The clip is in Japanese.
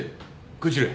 こちらへ。